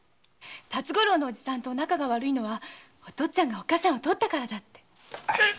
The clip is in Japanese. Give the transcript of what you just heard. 辰五郎のおじさんと仲が悪いのはお父っつぁんがおっかさんを奪ったからだって。